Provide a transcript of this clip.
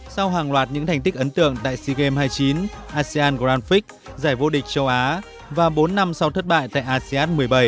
sau hàng loạt những thành tích ấn tượng tại sea games hai mươi chín asean grandfic giải vô địch châu á và bốn năm sau thất bại tại asean một mươi bảy